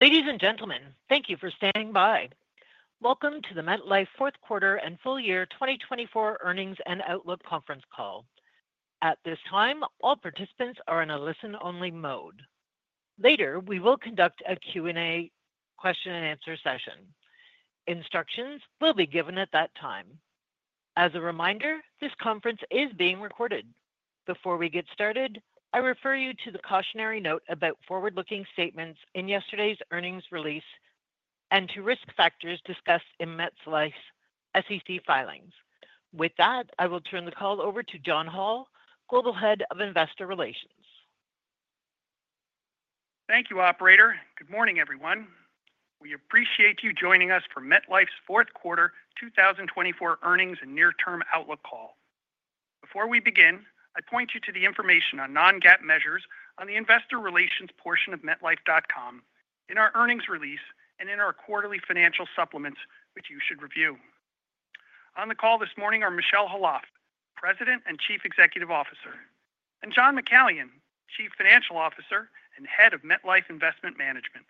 Ladies and gentlemen, thank you for standing by. Welcome to the MetLife Fourth Quarter and Full Year 2024 Earnings and Outlook Conference Call. At this time, all participants are in a listen-only mode. Later, we will conduct a Q&A question-and-answer session. Instructions will be given at that time. As a reminder, this conference is being recorded. Before we get started, I refer you to the cautionary note about forward-looking statements in yesterday's earnings release and to risk factors discussed in MetLife's SEC filings. With that, I will turn the call over to John Hall, Global Head of Investor Relations. Thank you, Operator. Good morning, everyone. We appreciate you joining us for MetLife's Fourth Quarter 2024 Earnings and Near-Term Outlook Call. Before we begin, I point you to the information on non-GAAP measures on the Investor Relations portion of MetLife.com, in our earnings release, and in our quarterly financial supplements, which you should review. On the call this morning are Michel Khalaf, President and Chief Executive Officer, and John McCallion, Chief Financial Officer and Head of MetLife Investment Management.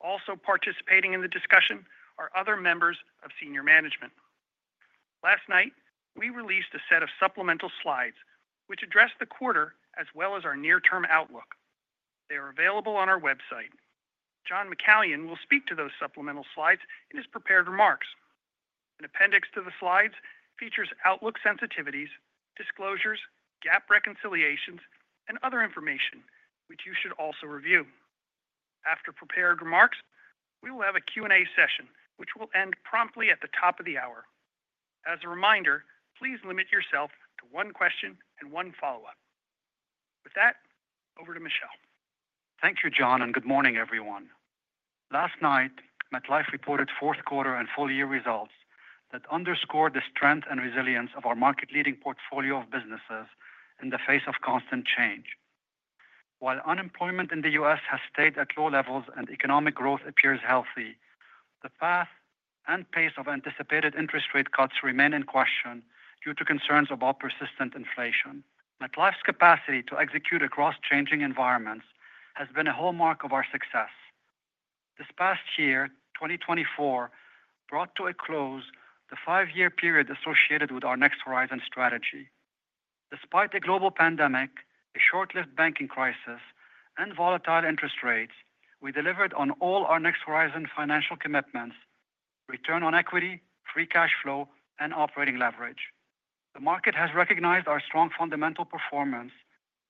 Also participating in the discussion are other members of senior management. Last night, we released a set of supplemental slides, which address the quarter as well as our near-term outlook. They are available on our website. John McCallion will speak to those supplemental slides in his prepared remarks. An appendix to the slides features outlook sensitivities, disclosures, GAAP reconciliations, and other information, which you should also review. After prepared remarks, we will have a Q&A session, which will end promptly at the top of the hour. As a reminder, please limit yourself to one question and one follow-up. With that, over to Michel. Thank you, John, and good morning, everyone. Last night, MetLife reported fourth quarter and full year results that underscore the strength and resilience of our market-leading portfolio of businesses in the face of constant change. While unemployment in the U.S. has stayed at low levels and economic growth appears healthy, the path and pace of anticipated interest rate cuts remain in question due to concerns about persistent inflation. MetLife's capacity to execute across changing environments has been a hallmark of our success. This past year, 2024, brought to a close the five-year period associated with our Next Horizon strategy. Despite a global pandemic, a short-lived banking crisis, and volatile interest rates, we delivered on all our Next Horizon financial commitments: return on equity, free cash flow, and operating leverage. The market has recognized our strong fundamental performance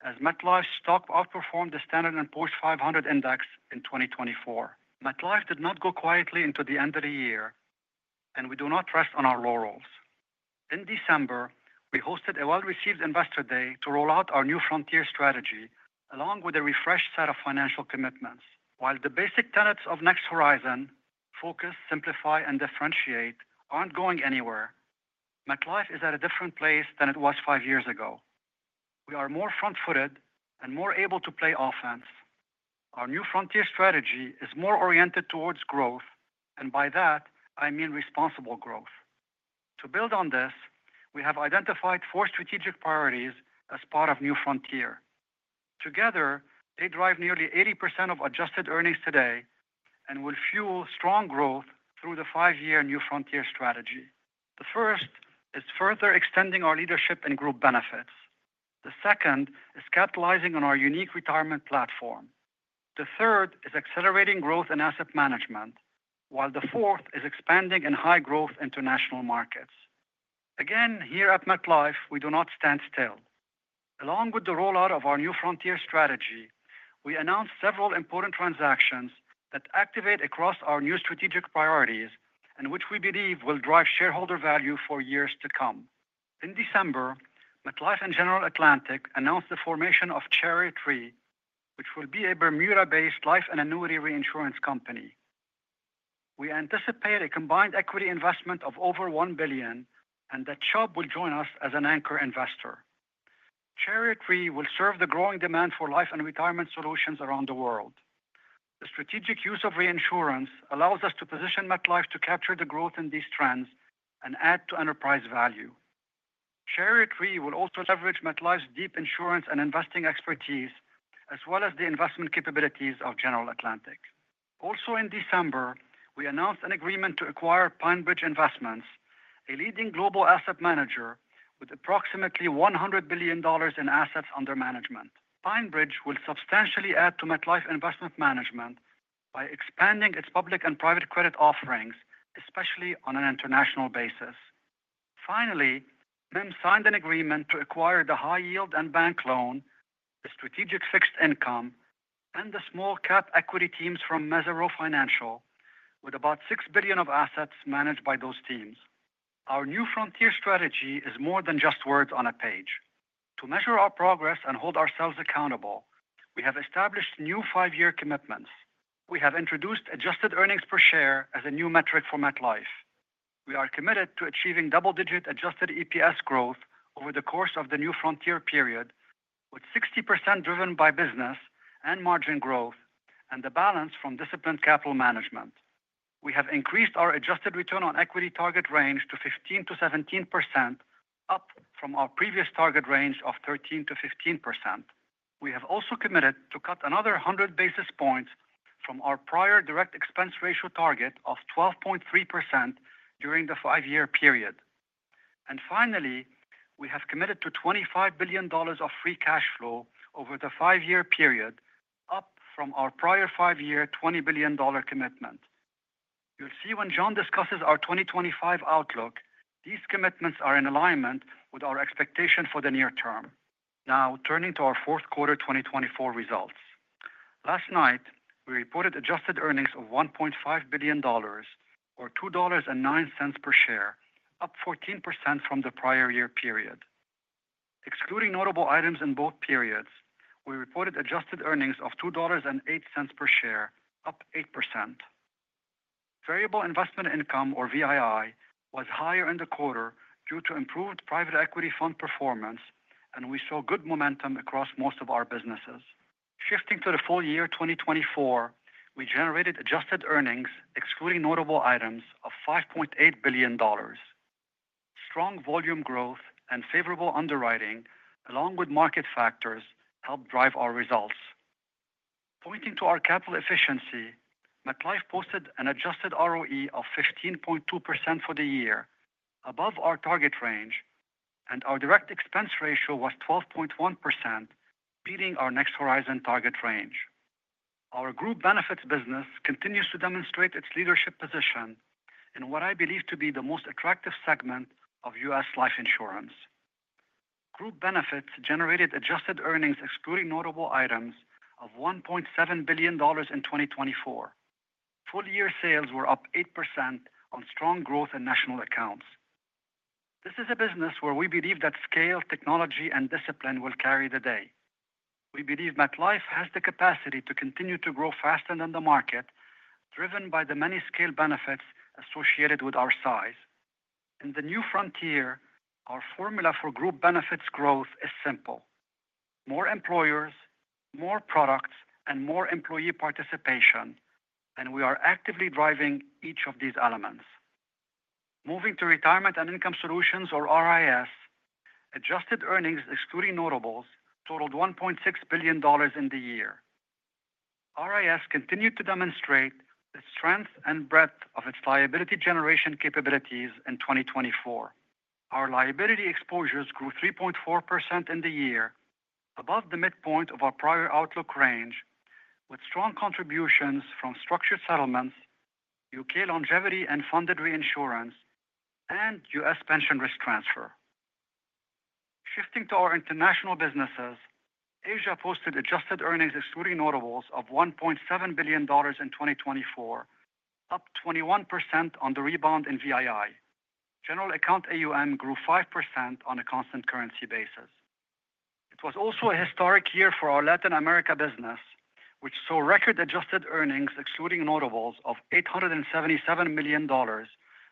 as MetLife's stock outperformed the Standard & Poor's 500 index in 2024. MetLife did not go quietly into the end of the year, and we do not rest on our laurels. In December, we hosted a well-received Investor Day to roll out our New Frontier strategy, along with a refreshed set of financial commitments. While the basic tenets of Next Horizon, focus, simplify, and differentiate, aren't going anywhere, MetLife is at a different place than it was five years ago. We are more front-footed and more able to play offense. Our New Frontier strategy is more oriented towards growth, and by that, I mean responsible growth. To build on this, we have identified four strategic priorities as part of New Frontier. Together, they drive nearly 80% of adjusted earnings today and will fuel strong growth through the five-year New Frontier strategy. The first is further extending our leadership and Group Benefits. The second is capitalizing on our unique retirement platform. The third is accelerating growth in asset management, while the fourth is expanding in high-growth international markets. Again, here at MetLife, we do not stand still. Along with the rollout of our New Frontier strategy, we announced several important transactions that activate across our new strategic priorities and which we believe will drive shareholder value for years to come. In December, MetLife and General Atlantic announced the formation of Chariot Re, which will be a Bermuda-based life and annuity reinsurance company. We anticipate a combined equity investment of over $1 billion, and that Chubb will join us as an anchor investor. Chariot Re will serve the growing demand for life and retirement solutions around the world. The strategic use of reinsurance allows us to position MetLife to capture the growth in these trends and add to enterprise value. Chariot Re will also leverage MetLife's deep insurance and investing expertise, as well as the investment capabilities of General Atlantic. Also, in December, we announced an agreement to acquire PineBridge Investments, a leading global asset manager with approximately $100 billion in assets under management. PineBridge will substantially add to MetLife Investment Management by expanding its public and private credit offerings, especially on an international basis. Finally, MIM signed an agreement to acquire the high-yield and bank loan, the strategic fixed income, and the small-cap equity teams from Mesirow Financial, with about $6 billion of assets managed by those teams. Our New Frontier strategy is more than just words on a page. To measure our progress and hold ourselves accountable, we have established new five-year commitments. We have introduced adjusted earnings per share as a new metric for MetLife. We are committed to achieving double-digit adjusted EPS growth over the course of the New Frontier period, with 60% driven by business and margin growth and the balance from disciplined capital management. We have increased our adjusted return on equity target range to 15%-17%, up from our previous target range of 13%-15%. We have also committed to cut another 100 basis points from our prior direct expense ratio target of 12.3% during the five-year period. And finally, we have committed to $25 billion of free cash flow over the five-year period, up from our prior five-year $20 billion commitment. You'll see when John discusses our 2025 outlook, these commitments are in alignment with our expectation for the near term. Now, turning to our fourth quarter 2024 results. Last night, we reported adjusted earnings of $1.5 billion, or $2.09 per share, up 14% from the prior-year period. Excluding notable items in both periods, we reported adjusted earnings of $2.08 per share, up 8%. Variable investment income, or VII, was higher in the quarter due to improved private equity fund performance, and we saw good momentum across most of our businesses. Shifting to the full year 2024, we generated adjusted earnings, excluding notable items, of $5.8 billion. Strong volume growth and favorable underwriting, along with market factors, helped drive our results. Pointing to our capital efficiency, MetLife posted an adjusted ROE of 15.2% for the year, above our target range, and our direct expense ratio was 12.1%, beating our Next Horizon target range. Our Group Benefits business continues to demonstrate its leadership position in what I believe to be the most attractive segment of U.S. life insurance. Group Benefits generated adjusted earnings, excluding notable items, of $1.7 billion in 2024. Full-year sales were up 8% on strong growth in national accounts. This is a business where we believe that scale, technology, and discipline will carry the day. We believe MetLife has the capacity to continue to grow faster than the market, driven by the many scale benefits associated with our size. In the New Frontier, our formula for Group Benefits growth is simple: more employers, more products, and more employee participation, and we are actively driving each of these elements. Moving to Retirement and Income Solutions, or RIS, adjusted earnings, excluding notables, totaled $1.6 billion in the year. RIS continued to demonstrate the strength and breadth of its liability generation capabilities in 2024. Our liability exposures grew 3.4% in the year, above the midpoint of our prior outlook range, with strong contributions from structured settlements, U.K. longevity and funded reinsurance, and U.S. pension risk transfer. Shifting to our international businesses, Asia posted adjusted earnings, excluding notables, of $1.7 billion in 2024, up 21% on the rebound in VII. General Account AUM grew 5% on a constant currency basis. It was also a historic year for our Latin America business, which saw record adjusted earnings, excluding notables, of $877 million,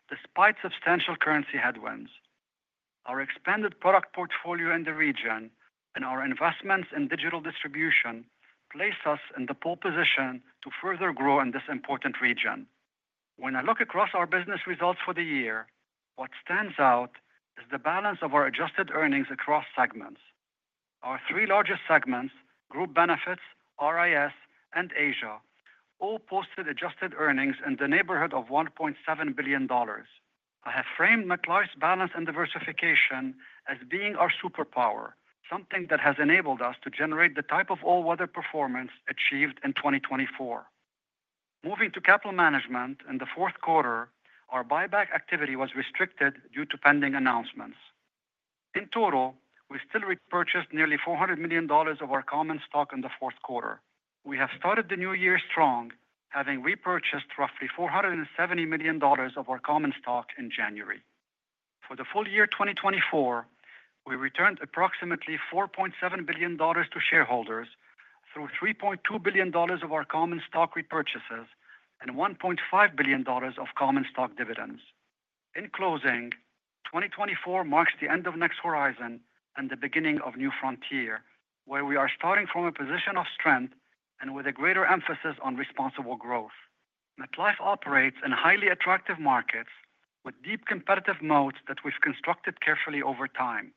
despite substantial currency headwinds. Our expanded product portfolio in the region and our investments in digital distribution place us in the pole position to further grow in this important region. When I look across our business results for the year, what stands out is the balance of our adjusted earnings across segments. Our three largest segments, Group Benefits, RIS, and Asia, all posted adjusted earnings in the neighborhood of $1.7 billion. I have framed MetLife's balance and diversification as being our superpower, something that has enabled us to generate the type of all-weather performance achieved in 2024. Moving to capital management, in the fourth quarter, our buyback activity was restricted due to pending announcements. In total, we still repurchased nearly $400 million of our common stock in the fourth quarter. We have started the new year strong, having repurchased roughly $470 million of our common stock in January. For the full year 2024, we returned approximately $4.7 billion to shareholders through $3.2 billion of our common stock repurchases and $1.5 billion of common stock dividends. In closing, 2024 marks the end of Next Horizon and the beginning of New Frontier, where we are starting from a position of strength and with a greater emphasis on responsible growth. MetLife operates in highly attractive markets with deep competitive moats that we've constructed carefully over time,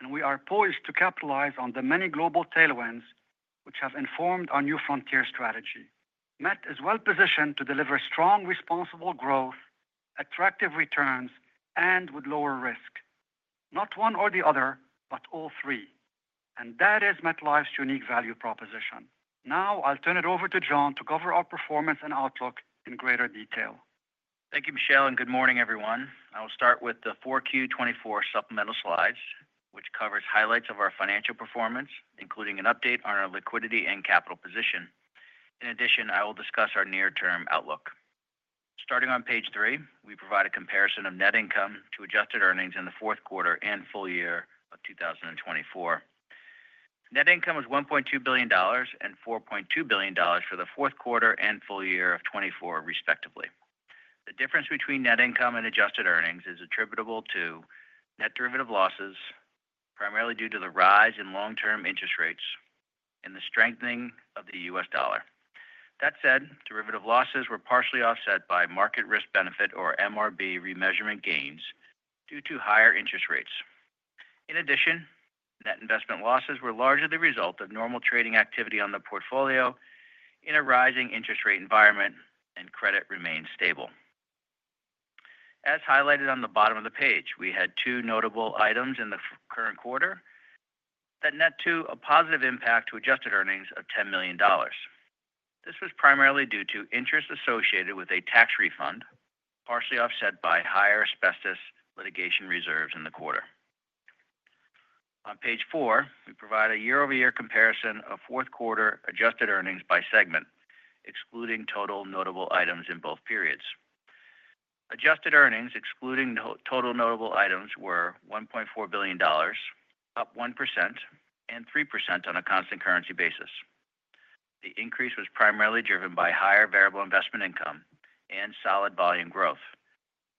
and we are poised to capitalize on the many global tailwinds which have informed our New Frontier strategy. Met is well-positioned to deliver strong, responsible growth, attractive returns, and with lower risk. Not one or the other, but all three. And that is MetLife's unique value proposition. Now, I'll turn it over to John to cover our performance and outlook in greater detail. Thank you, Michel, and good morning, everyone. I will start with the 4Q 2024 supplemental slides, which cover highlights of our financial performance, including an update on our liquidity and capital position. In addition, I will discuss our near-term outlook. Starting on page three, we provide a comparison of net income to adjusted earnings in the fourth quarter and full year of 2024. Net income was $1.2 billion and $4.2 billion for the fourth quarter and full year of 2024, respectively. The difference between net income and adjusted earnings is attributable to net derivative losses, primarily due to the rise in long-term interest rates and the strengthening of the U.S. dollar. That said, derivative losses were partially offset by market risk-benefit, or MRB, remeasurement gains due to higher interest rates. In addition, net investment losses were largely the result of normal trading activity on the portfolio in a rising interest rate environment, and credit remained stable. As highlighted on the bottom of the page, we had two notable items in the current quarter that net to a positive impact to adjusted earnings of $10 million. This was primarily due to interest associated with a tax refund, partially offset by higher asbestos litigation reserves in the quarter. On page four, we provide a year-over-year comparison of fourth quarter adjusted earnings by segment, excluding total notable items in both periods. Adjusted earnings, excluding total notable items, were $1.4 billion, up 1%, and 3% on a constant currency basis. The increase was primarily driven by higher variable investment income and solid volume growth,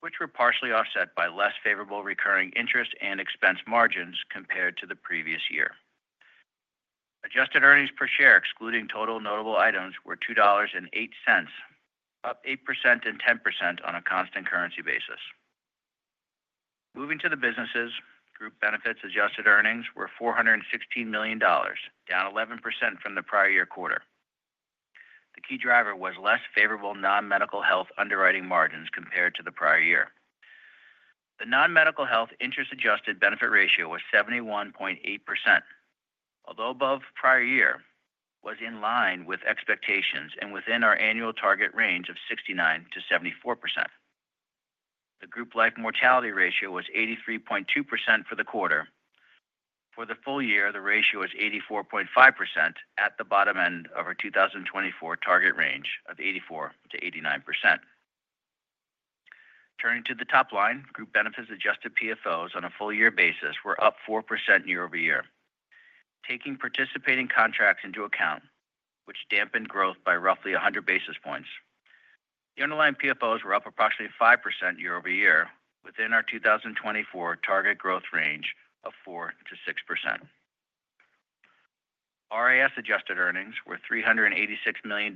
which were partially offset by less favorable recurring interest and expense margins compared to the previous year. Adjusted earnings per share, excluding total notable items, were $2.08, up 8% and 10% on a constant currency basis. Moving to the businesses, Group Benefits adjusted earnings were $416 million, down 11% from the prior-year quarter. The key driver was less favorable non-medical health underwriting margins compared to the prior year. The non-medical health interest-adjusted benefit ratio was 71.8%, although above prior year, was in line with expectations and within our annual target range of 69%-74%. The group life mortality ratio was 83.2% for the quarter. For the full year, the ratio is 84.5% at the bottom end of our 2024 target range of 84%-89%. Turning to the top line, Group Benefits adjusted PFOs on a full-year basis were up 4% year-over-year, taking participating contracts into account, which dampened growth by roughly 100 basis points. The underlying PFOs were up approximately 5% year-over-year within our 2024 target growth range of 4%-6%. RIS adjusted earnings were $386 million in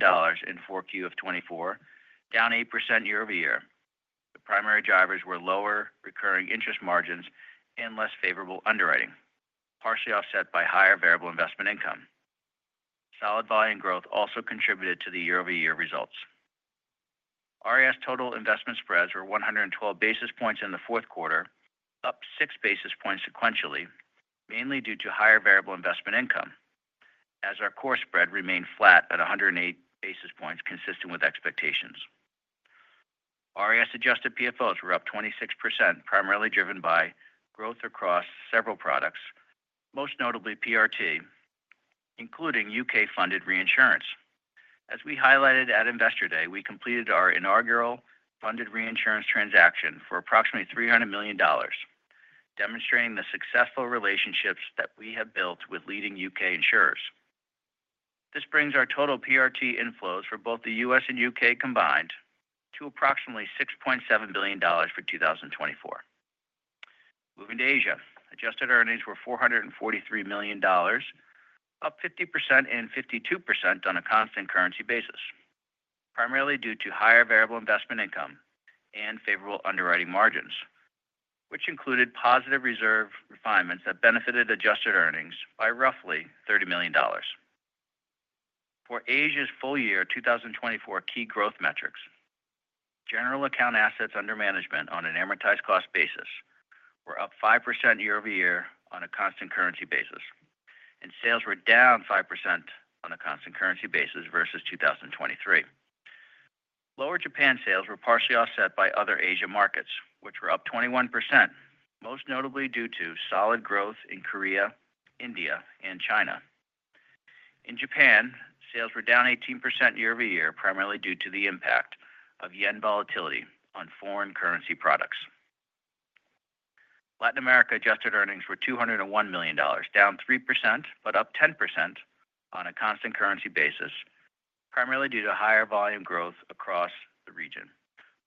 4Q of 2024, down 8% year-over-year. The primary drivers were lower recurring interest margins and less favorable underwriting, partially offset by higher variable investment income. Solid volume growth also contributed to the year-over-year results. RIS total investment spreads were 112 basis points in the fourth quarter, up 6 basis points sequentially, mainly due to higher variable investment income, as our core spread remained flat at 108 basis points, consistent with expectations. RIS adjusted PFOs were up 26%, primarily driven by growth across several products, most notably PRT, including U.K. funded reinsurance. As we highlighted at Investor Day, we completed our inaugural funded reinsurance transaction for approximately $300 million, demonstrating the successful relationships that we have built with leading U.K. insurers. This brings our total PRT inflows for both the U.S. and U.K. combined to approximately $6.7 billion for 2024. Moving to Asia, adjusted earnings were $443 million, up 50% and 52% on a constant currency basis, primarily due to higher variable investment income and favorable underwriting margins, which included positive reserve refinements that benefited adjusted earnings by roughly $30 million. For Asia's full year 2024 key growth metrics, General Account assets under management on an amortized cost basis were up 5% year-over-year on a constant currency basis, and sales were down 5% on a constant currency basis versus 2023. Lower Japan sales were partially offset by other Asia markets, which were up 21%, most notably due to solid growth in Korea, India, and China. In Japan, sales were down 18% year-over-year, primarily due to the impact of yen volatility on foreign currency products. Latin America adjusted earnings were $201 million, down 3%, but up 10% on a constant currency basis, primarily due to higher volume growth across the region,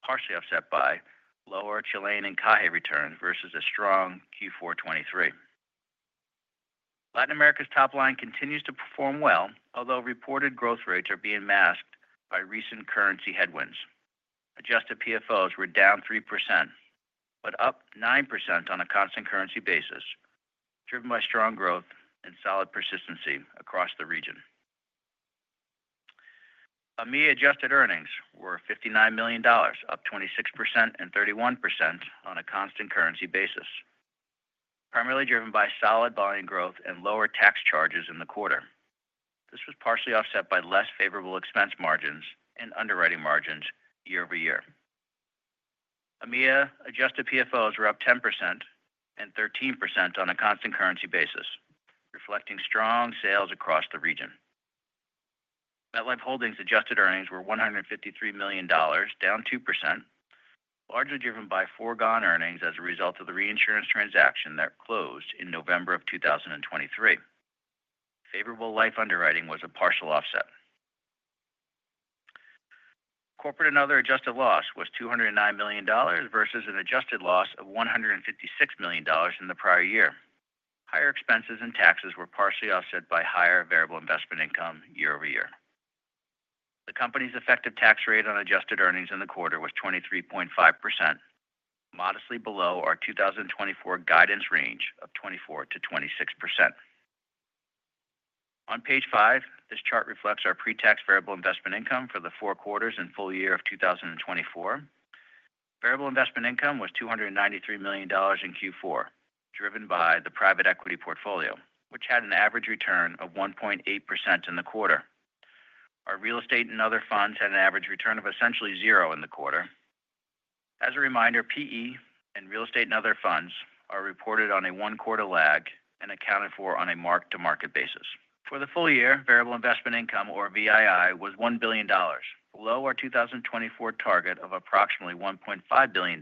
partially offset by lower Chilean Encaje returns versus a strong Q4 2023. Latin America's top line continues to perform well, although reported growth rates are being masked by recent currency headwinds. Adjusted PFOs were down 3%, but up 9% on a constant currency basis, driven by strong growth and solid persistency across the region. EMEA adjusted earnings were $59 million, up 26% and 31% on a constant currency basis, primarily driven by solid volume growth and lower tax charges in the quarter. This was partially offset by less favorable expense margins and underwriting margins year-over-year. EMEA adjusted PFOs were up 10% and 13% on a constant currency basis, reflecting strong sales across the region. MetLife Holdings adjusted earnings were $153 million, down 2%, largely driven by foregone earnings as a result of the reinsurance transaction that closed in November of 2023. Favorable life underwriting was a partial offset. Corporate and other adjusted loss was $209 million versus an adjusted loss of $156 million in the prior year. Higher expenses and taxes were partially offset by higher variable investment income year-over-year. The company's effective tax rate on adjusted earnings in the quarter was 23.5%, modestly below our 2024 guidance range of 24%-26%. On page five, this chart reflects our pre-tax variable investment income for the four quarters and full year of 2024. Variable investment income was $293 million in Q4, driven by the private equity portfolio, which had an average return of 1.8% in the quarter. Our real estate and other funds had an average return of essentially zero in the quarter. As a reminder, PE and real estate and other funds are reported on a one-quarter lag and accounted for on a mark-to-market basis. For the full year, variable investment income, or VII, was $1 billion, below our 2024 target of approximately $1.5 billion,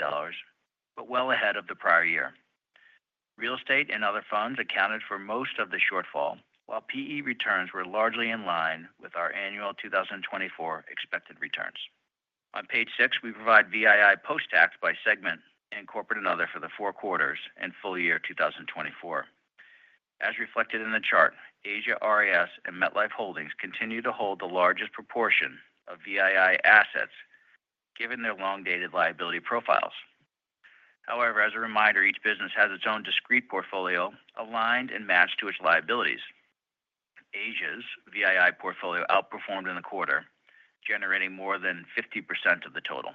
but well ahead of the prior year. Real estate and other funds accounted for most of the shortfall, while PE returns were largely in line with our annual 2024 expected returns. On page six, we provide VII post-tax by segment and corporate and other for the four quarters and full year 2024. As reflected in the chart, Asia, RIS, and MetLife Holdings continue to hold the largest proportion of VII assets, given their long-dated liability profiles. However, as a reminder, each business has its own discrete portfolio aligned and matched to its liabilities. Asia's VII portfolio outperformed in the quarter, generating more than 50% of the total.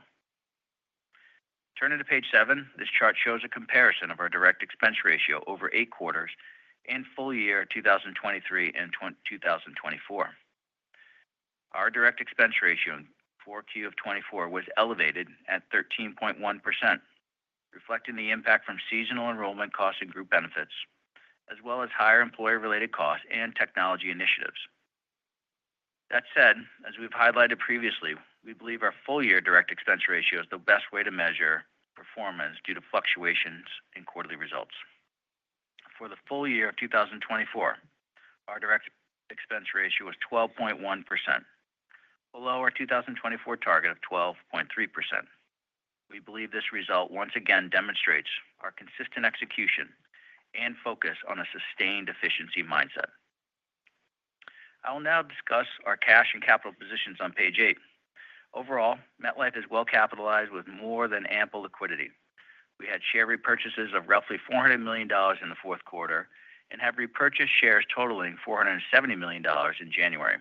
Turning to page seven, this chart shows a comparison of our direct expense ratio over eight quarters and full year 2023 and 2024. Our direct expense ratio in 4Q of 2024 was elevated at 13.1%, reflecting the impact from seasonal enrollment costs and Group Benefits, as well as higher employee-related costs and technology initiatives. That said, as we've highlighted previously, we believe our full year direct expense ratio is the best way to measure performance due to fluctuations in quarterly results. For the full year of 2024, our direct expense ratio was 12.1%, below our 2024 target of 12.3%. We believe this result once again demonstrates our consistent execution and focus on a sustained efficiency mindset. I will now discuss our cash and capital positions on page eight. Overall, MetLife is well capitalized with more than ample liquidity. We had share repurchases of roughly $400 million in the fourth quarter and have repurchased shares totaling $470 million in January.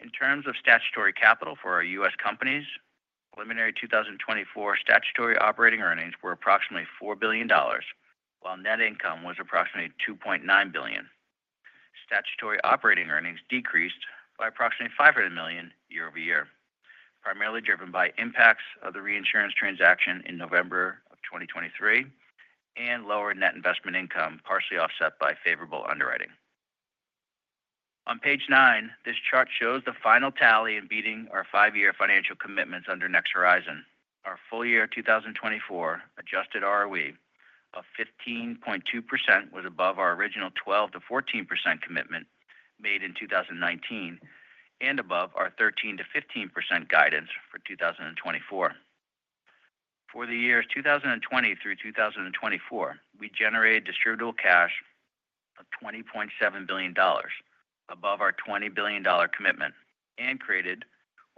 In terms of statutory capital for our U.S. companies, preliminary 2024 statutory operating earnings were approximately $4 billion, while net income was approximately $2.9 billion. Statutory operating earnings decreased by approximately $500 million year-over-year, primarily driven by impacts of the reinsurance transaction in November of 2023 and lower net investment income partially offset by favorable underwriting. On page nine, this chart shows the final tally in beating our five-year financial commitments under Next Horizon. Our full year 2024 adjusted ROE of 15.2% was above our original 12%-14% commitment made in 2019 and above our 13%-15% guidance for 2024. For the years 2020 through 2024, we generated distributable cash of $20.7 billion, above our $20 billion commitment, and created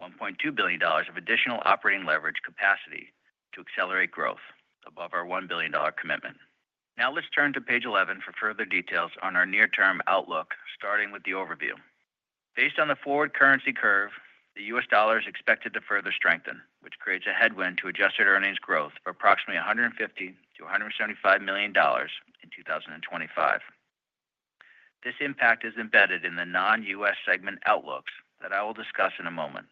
$1.2 billion of additional operating leverage capacity to accelerate growth above our $1 billion commitment. Now let's turn to page 11 for further details on our near-term outlook, starting with the overview. Based on the forward currency curve, the U.S. dollar is expected to further strengthen, which creates a headwind to adjusted earnings growth of approximately $150 million-$175 million in 2025. This impact is embedded in the non-U.S. segment outlooks that I will discuss in a moment.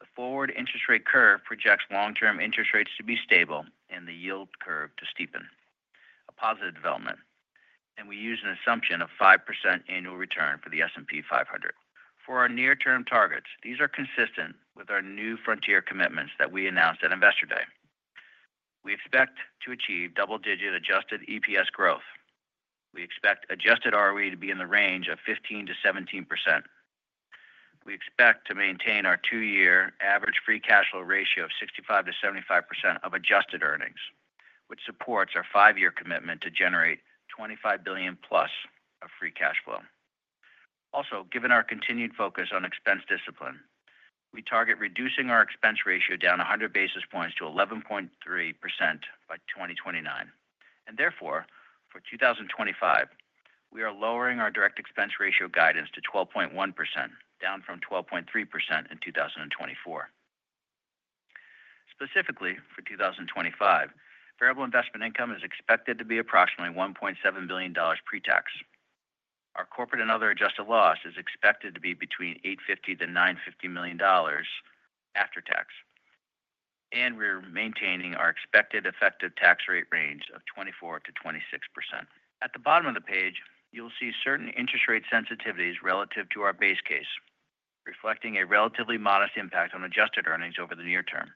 The forward interest rate curve projects long-term interest rates to be stable and the yield curve to steepen, a positive development, and we use an assumption of 5% annual return for the S&P 500. For our near-term targets, these are consistent with our New Frontier commitments that we announced at Investor Day. We expect to achieve double-digit adjusted EPS growth. We expect adjusted ROE to be in the range of 15%-17%. We expect to maintain our two-year average free cash flow ratio of 65%-75% of adjusted earnings, which supports our five-year commitment to generate $25 billion+ of free cash flow. Also, given our continued focus on expense discipline, we target reducing our expense ratio down 100 basis points to 11.3% by 2029. And therefore, for 2025, we are lowering our direct expense ratio guidance to 12.1%, down from 12.3% in 2024. Specifically, for 2025, variable investment income is expected to be approximately $1.7 billion pre-tax. Our corporate and other adjusted loss is expected to be between $850 million-$950 million after tax, and we're maintaining our expected effective tax rate range of 24%-26%. At the bottom of the page, you'll see certain interest rate sensitivities relative to our base case, reflecting a relatively modest impact on adjusted earnings over the near term.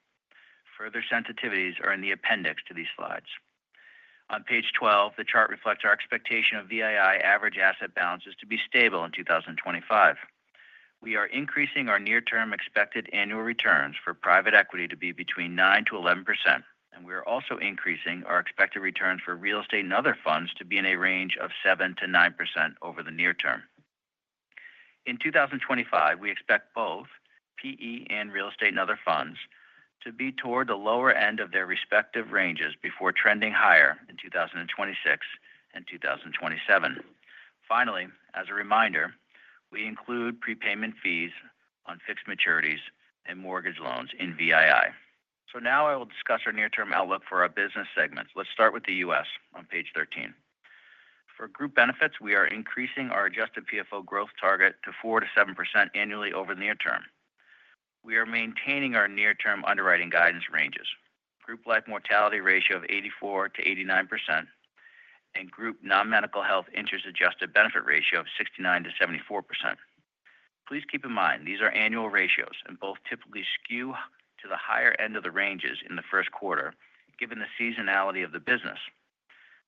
Further sensitivities are in the appendix to these slides. On page 12, the chart reflects our expectation of VII average asset balances to be stable in 2025. We are increasing our near-term expected annual returns for private equity to be between 9%-11%, and we are also increasing our expected returns for real estate and other funds to be in a range of 7%-9% over the near term. In 2025, we expect both PE and real estate and other funds to be toward the lower end of their respective ranges before trending higher in 2026 and 2027. Finally, as a reminder, we include prepayment fees on fixed maturities and mortgage loans in VII. So now I will discuss our near-term outlook for our business segments. Let's start with the U.S. on page 13. For Group Benefits, we are increasing our adjusted PFO growth target to 4%-7% annually over the near term. We are maintaining our near-term underwriting guidance ranges, group life mortality ratio of 84%-89%, and group non-medical health interest adjusted benefit ratio of 69%-74%. Please keep in mind these are annual ratios and both typically skew to the higher end of the ranges in the first quarter, given the seasonality of the business.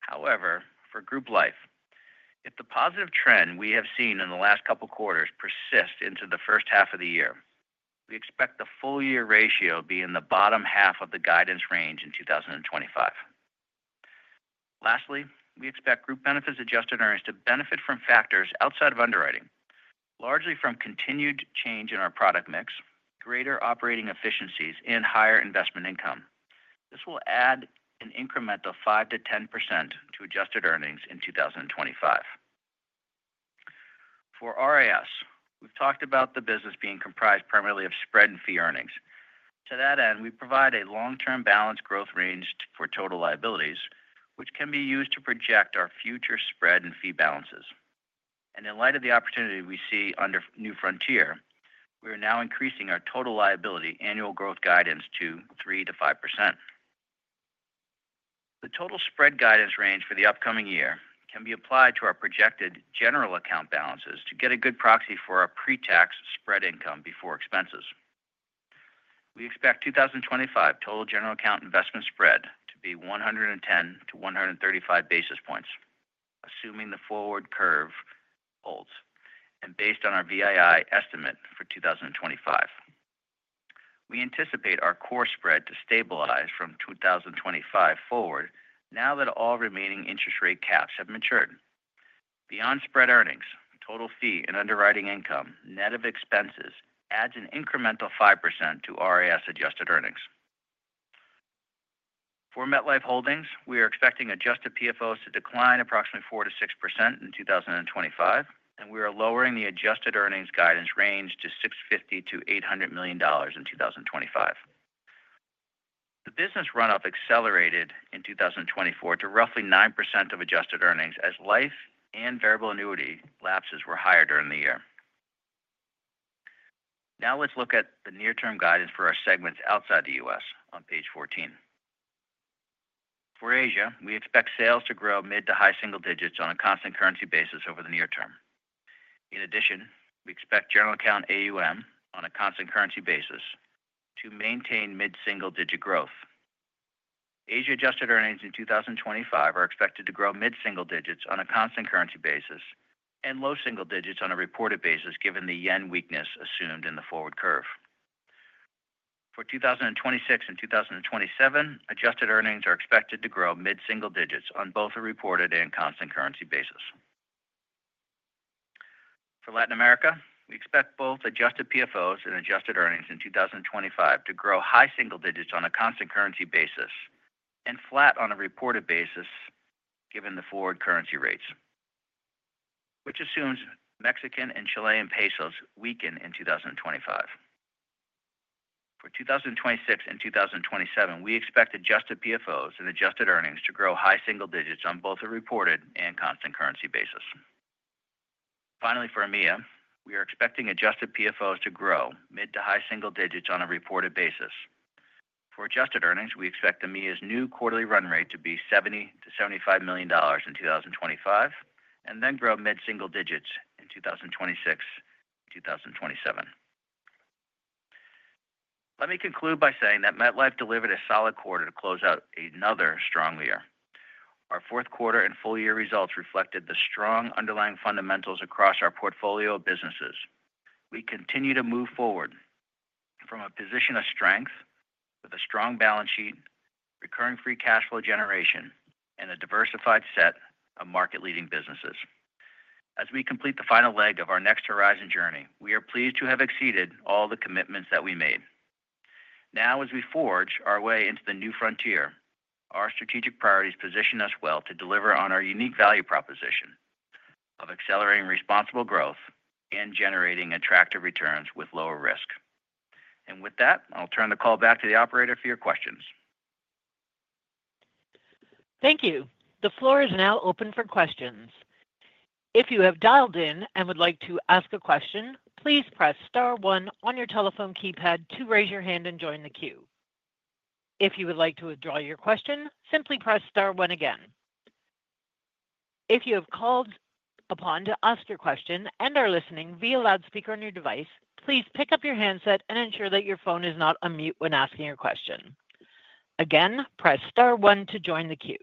However, for group life, if the positive trend we have seen in the last couple of quarters persists into the first half of the year, we expect the full-year ratio to be in the bottom half of the guidance range in 2025. Lastly, we expect Group Benefits adjusted earnings to benefit from factors outside of underwriting, largely from continued change in our product mix, greater operating efficiencies, and higher investment income. This will add an increment of 5%-10% to adjusted earnings in 2025. For RIS, we've talked about the business being comprised primarily of spread and fee earnings. To that end, we provide a long-term balance growth range for total liabilities, which can be used to project our future spread and fee balances. In light of the opportunity we see under New Frontier, we are now increasing our total liability annual growth guidance to 3% to 5%. The total spread guidance range for the upcoming year can be applied to our projected General Account balances to get a good proxy for our pre-tax spread income before expenses. We expect 2025 total General Account investment spread to be 110 basis points-135 basis points, assuming the forward curve holds and based on our VII estimate for 2025. We anticipate our core spread to stabilize from 2025 forward now that all remaining interest rate caps have matured. Beyond spread earnings, total fee and underwriting income, net of expenses, adds an incremental 5% to RIS adjusted earnings. For MetLife Holdings, we are expecting adjusted PFOs to decline approximately 4%-6% in 2025, and we are lowering the adjusted earnings guidance range to $650 million-$800 million in 2025. The business runoff accelerated in 2024 to roughly 9% of adjusted earnings as life and variable annuity lapses were higher during the year. Now let's look at the near-term guidance for our segments outside the U.S. on page 14. For Asia, we expect sales to grow mid- to high-single digits on a constant currency basis over the near term. In addition, we expect General Account AUM on a constant currency basis to maintain mid-single-digit growth. Asia adjusted earnings in 2025 are expected to grow mid-single digits on a constant currency basis and low-single digits on a reported basis, given the yen weakness assumed in the forward curve. For 2026 and 2027, adjusted earnings are expected to grow mid-single digits on both a reported and constant currency basis. For Latin America, we expect both adjusted PFOs and adjusted earnings in 2025 to grow high-single digits on a constant currency basis and flat on a reported basis, given the forward currency rates, which assumes Mexican and Chilean pesos weaken in 2025. For 2026 and 2027, we expect adjusted PFOs and adjusted earnings to grow high-single digits on both a reported and constant currency basis. Finally, for EMEA, we are expecting adjusted PFOs to grow mid- to high-single digits on a reported basis. For adjusted earnings, we expect EMEA's new quarterly run rate to be $70 million-$75 million in 2025 and then grow mid-single digits in 2026 and 2027. Let me conclude by saying that MetLife delivered a solid quarter to close out another strong year. Our fourth quarter and full-year results reflected the strong underlying fundamentals across our portfolio of businesses. We continue to move forward from a position of strength with a strong balance sheet, recurring free cash flow generation, and a diversified set of market-leading businesses. As we complete the final leg of our Next Horizon journey, we are pleased to have exceeded all the commitments that we made. Now, as we forge our way into the New Frontier, our strategic priorities position us well to deliver on our unique value proposition of accelerating responsible growth and generating attractive returns with lower risk. And with that, I'll turn the call back to the operator for your questions. Thank you. The floor is now open for questions. If you have dialed in and would like to ask a question, please press star one on your telephone keypad to raise your hand and join the queue. If you would like to withdraw your question, simply press star one again. If you have called upon to ask your question and are listening via loudspeaker on your device, please pick up your handset and ensure that your phone is not on mute when asking your question. Again, press star one to join the queue.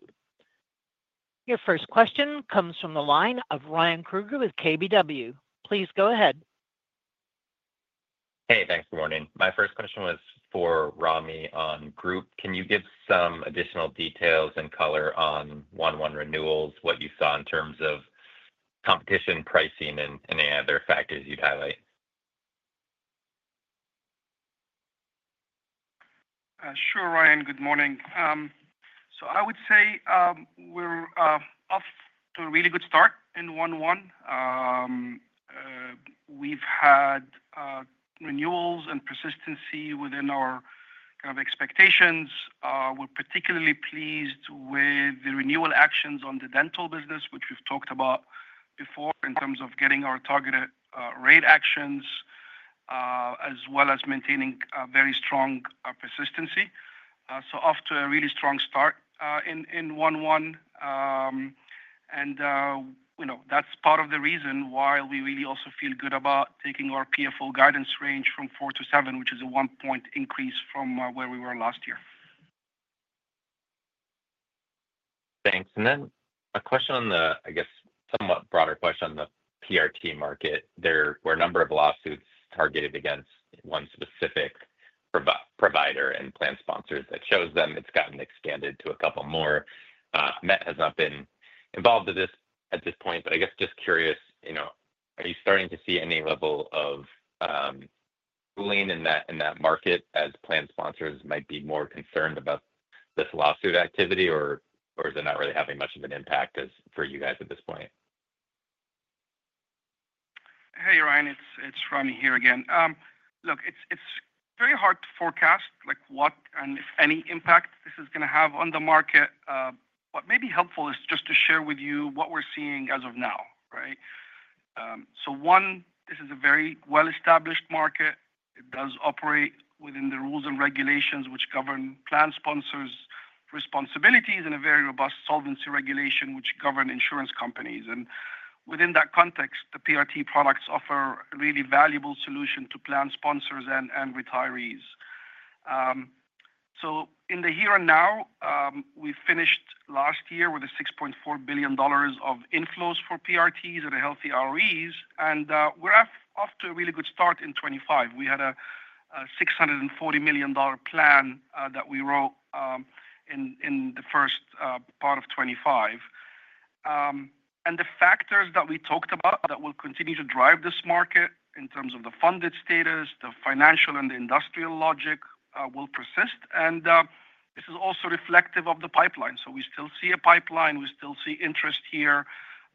Your first question comes from the line of Ryan Krueger with KBW. Please go ahead. Hey, thanks. Good morning. My first question was for Ramy on group. Can you give some additional details and color on January 1 renewals, what you saw in terms of competition, pricing, and any other factors you'd highlight? Sure, Ryan. Good morning. So I would say we're off to a really good start in January 1. We've had renewals and persistency within our kind of expectations. We're particularly pleased with the renewal actions on the dental business, which we've talked about before in terms of getting our targeted rate actions as well as maintaining a very strong persistency. So off to a really strong start in January. And that's part of the reason why we really also feel good about taking our PFO guidance range from 4%-7%, which is a one-point increase from where we were last year. Thanks. And then a question on the, I guess, somewhat broader question on the PRT market. There were a number of lawsuits targeted against one specific provider and plan sponsors that shows them it's gotten expanded to a couple more. Met has not been involved at this point, but I guess just curious, are you starting to see any level of cooling in that market as plan sponsors might be more concerned about this lawsuit activity, or is it not really having much of an impact for you guys at this point? Hey, Ryan, it's Ramy here again. Look, it's very hard to forecast what and if any impact this is going to have on the market. What may be helpful is just to share with you what we're seeing as of now, right? So one, this is a very well-established market. It does operate within the rules and regulations which govern plan sponsors' responsibilities and a very robust solvency regulation which governs insurance companies, and within that context, the PRT products offer a really valuable solution to plan sponsors and retirees. So in the here and now, we finished last year with a $6.4 billion of inflows for PRTs and healthy ROEs, and we're off to a really good start in 2025. We had a $640 million plan that we wrote in the first part of 2025. And the factors that we talked about that will continue to drive this market in terms of the funded status, the financial, and the industrial logic will persist. And this is also reflective of the pipeline. So we still see a pipeline. We still see interest here,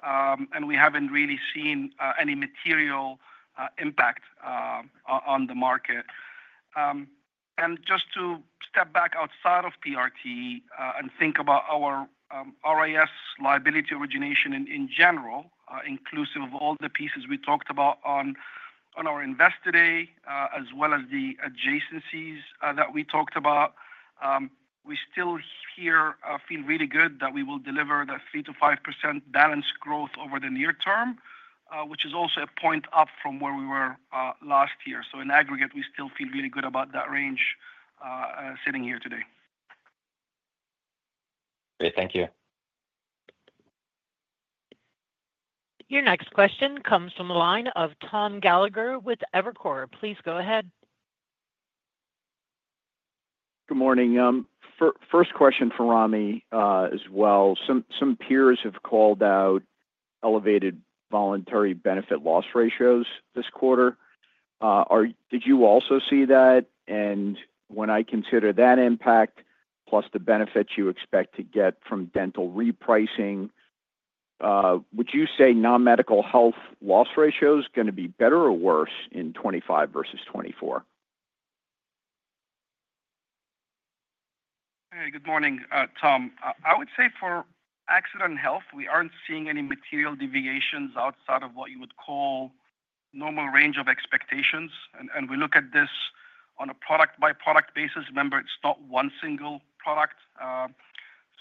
and we haven't really seen any material impact on the market. Just to step back outside of PRT and think about our RIS liability origination in general, inclusive of all the pieces we talked about on our Investor Day, as well as the adjacencies that we talked about, we still feel really good that we will deliver that 3%-5% balance growth over the near term, which is also a point up from where we were last year. So in aggregate, we still feel really good about that range sitting here today. Great. Thank you. Your next question comes from the line of Tom Gallagher with Evercore. Please go ahead. Good morning. First question for Ramy as well. Some peers have called out elevated voluntary benefit loss ratios this quarter. Did you also see that? When I consider that impact, plus the benefits you expect to get from dental repricing, would you say non-medical health loss ratios are going to be better or worse in 2025 versus 2024? Hey, good morning, Tom. I would say for Accident & Health, we aren't seeing any material deviations outside of what you would call normal range of expectations. And we look at this on a product-by-product basis. Remember, it's not one single product.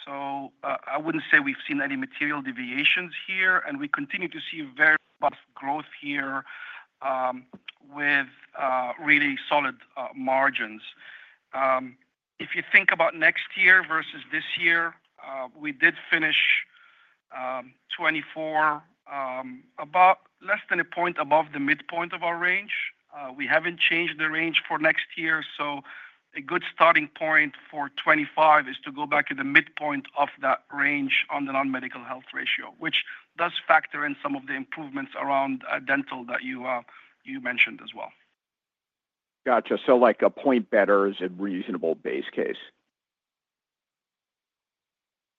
So I wouldn't say we've seen any material deviations here. And we continue to see very robust growth here with really solid margins. If you think about next year versus this year, we did finish 2024 about less than a point above the midpoint of our range. We haven't changed the range for next year. So a good starting point for 2025 is to go back to the midpoint of that range on the non-medical health ratio, which does factor in some of the improvements around dental that you mentioned as well. Gotcha. So like a point better is a reasonable base case.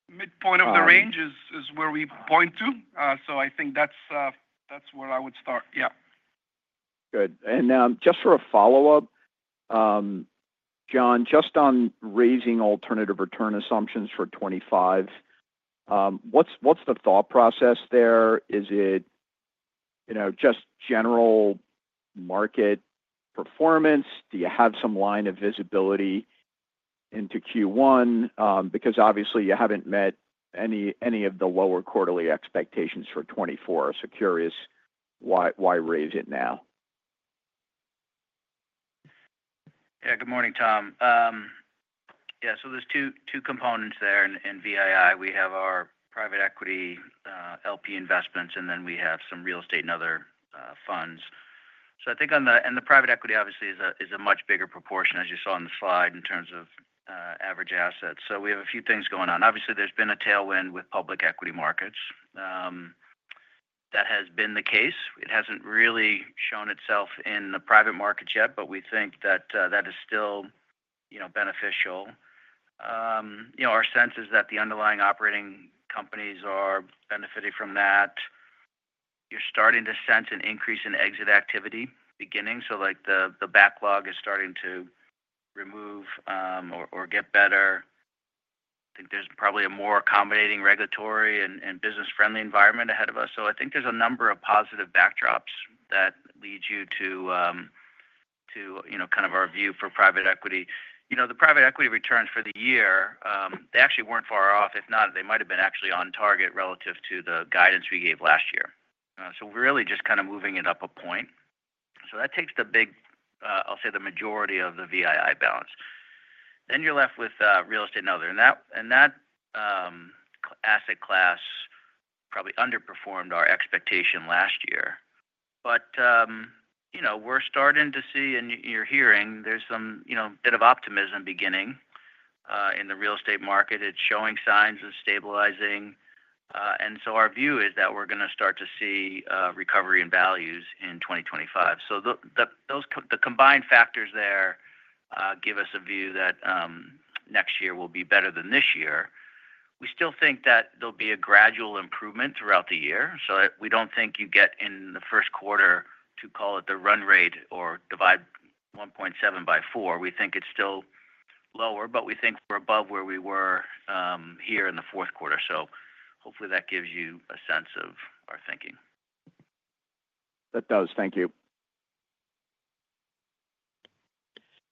Midpoint of the range is where we point to. So I think that's where I would start. Yeah. Good. And just for a follow-up, John, just on raising alternative return assumptions for 2025, what's the thought process there? Is it just general market performance? Do you have some line of visibility into Q1? Because obviously, you haven't met any of the lower quarterly expectations for 2024. So curious why raise it now. Yeah. Good morning, Tom. Yeah. So there's two components there in VII. We have our private equity LP investments, and then we have some real estate and other funds. I think on the private equity, obviously, is a much bigger proportion, as you saw on the slide, in terms of average assets. We have a few things going on. Obviously, there's been a tailwind with public equity markets. That has been the case. It hasn't really shown itself in the private markets yet, but we think that is still beneficial. Our sense is that the underlying operating companies are benefiting from that. You're starting to sense an increase in exit activity beginning. The backlog is starting to remove or get better. I think there's probably a more accommodating regulatory and business-friendly environment ahead of us. There are a number of positive backdrops that lead you to kind of our view for private equity. The private equity returns for the year, they actually weren't far off. If not, they might have been actually on target relative to the guidance we gave last year. So we're really just kind of moving it up a point. So that takes the big, I'll say, the majority of the VII balance. Then you're left with real estate and other. And that asset class probably underperformed our expectation last year. But we're starting to see, and you're hearing, there's a bit of optimism beginning in the real estate market. It's showing signs of stabilizing. And so our view is that we're going to start to see recovery in values in 2025. So the combined factors there give us a view that next year will be better than this year. We still think that there'll be a gradual improvement throughout the year. So we don't think you get in the first quarter to call it the run rate or divide $1.7 billion by 4. We think it's still lower, but we think we're above where we were here in the fourth quarter. So hopefully, that gives you a sense of our thinking. That does.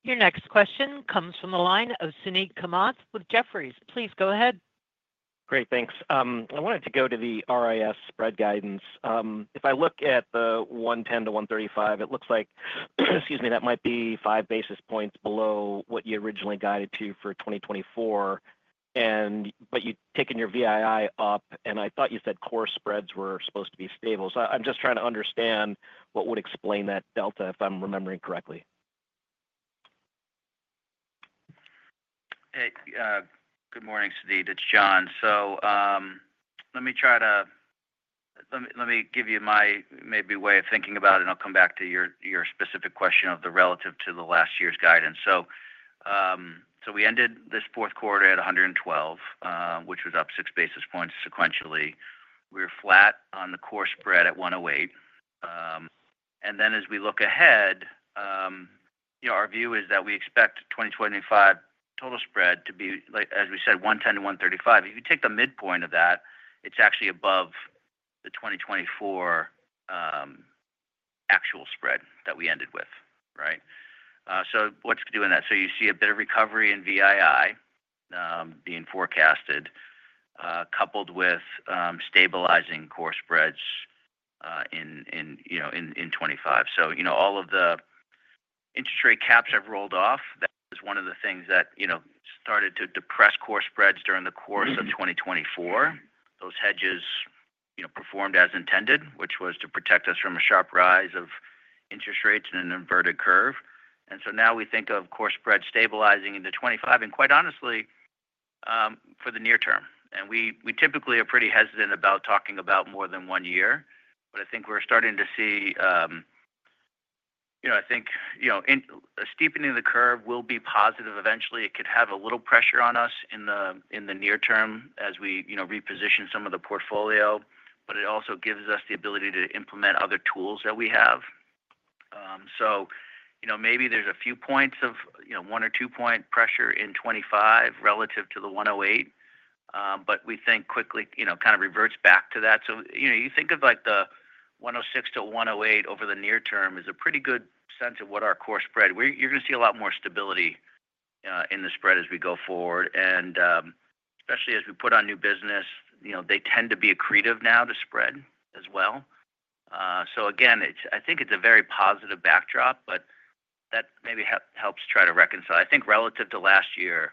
Thank you. Your next question comes from the line of Suneet Kamath with Jefferies. Please go ahead. Great. Thanks. I wanted to go to the RIS spread guidance. If I look at the 110-135 basis points, it looks like, excuse me, that might be five basis points below what you originally guided to for 2024. But you've taken your VII up, and I thought you said core spreads were supposed to be stable. So I'm just trying to understand what would explain that delta, if I'm remembering correctly. Hey. Good morning, Suneet. It's John. So let me give you my maybe way of thinking about it, and I'll come back to your specific question of the relative to the last year's guidance. We ended this fourth quarter at 112 basis points, which was up six basis points sequentially. We were flat on the core spread at 108 basis points. And then as we look ahead, our view is that we expect 2025 total spread to be, as we said, 110-135 basis points. If you take the midpoint of that, it's actually above the 2024 actual spread that we ended with, right? So what's to do in that? So you see a bit of recovery in VII being forecasted, coupled with stabilizing core spreads in 2025. So all of the interest rate caps have rolled off. That is one of the things that started to depress core spreads during the course of 2024. Those hedges performed as intended, which was to protect us from a sharp rise of interest rates and an inverted curve. So now we think of core spread stabilizing into 2025, and quite honestly, for the near term. We typically are pretty hesitant about talking about more than one year, but I think we're starting to see I think a steepening of the curve will be positive eventually. It could have a little pressure on us in the near term as we reposition some of the portfolio, but it also gives us the ability to implement other tools that we have. So maybe there's a few points of one or two-point pressure in 2025 relative to the 108 basis points, but we think quickly kind of reverts back to that. So, you think of the 106-108 basis points over the near term is a pretty good sense of what our core spread is. You're going to see a lot more stability in the spread as we go forward. And especially as we put on new business, they tend to be accretive now to spread as well. So again, I think it's a very positive backdrop, but that maybe helps try to reconcile. I think relative to last year,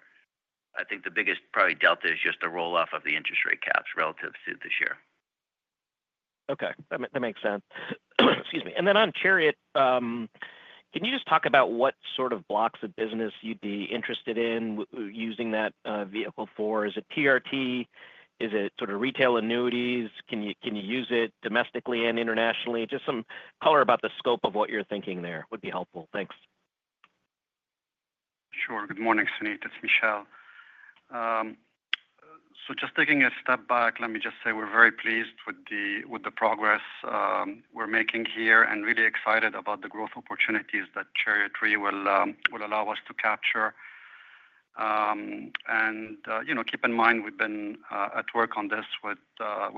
I think the biggest probably delta is just the roll-off of the interest rate caps relative to this year. Okay. That makes sense. Excuse me. And then on Chariot, can you just talk about what sort of blocks of business you'd be interested in using that vehicle for? Is it PRT? Is it sort of retail annuities? Can you use it domestically and internationally? Just some color about the scope of what you're thinking there would be helpful. Thanks. Sure. Good morning, Suneet. It's Michel. So just taking a step back, let me just say we're very pleased with the progress we're making here and really excited about the growth opportunities that Chariot Re will allow us to capture. And keep in mind, we've been at work on this with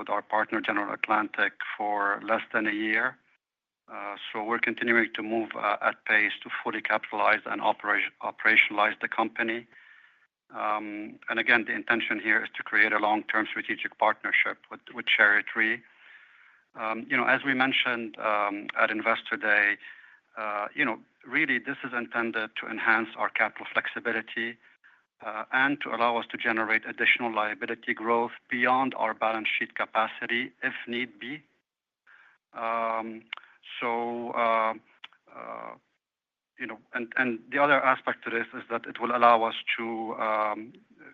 our partner, General Atlantic, for less than a year. So we're continuing to move at pace to fully capitalize and operationalize the company. And again, the intention here is to create a long-term strategic partnership with Chariot Re. As we mentioned at Investor Day, really, this is intended to enhance our capital flexibility and to allow us to generate additional liability growth beyond our balance sheet capacity if need be. So and the other aspect to this is that it will allow us to